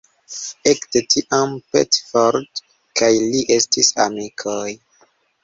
Ekde tiam Pettiford kaj li estis amikoj.